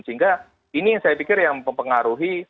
sehingga ini yang saya pikir yang mempengaruhi